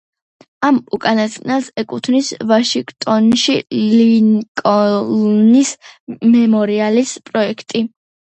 ამ უკანასკნელს ეკუთვნის ვაშინგტონში ლინკოლნის მემორიალის პროექტი.